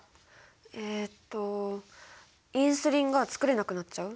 えとインスリンが作れなくなっちゃう？